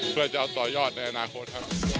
เพื่อจะเอาต่อยอดในอนาคตครับ